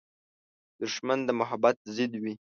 دښمن د محبت ضد وي